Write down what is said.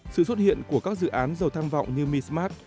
sự xuất hiện của các dự án giàu thang vọng như mi smart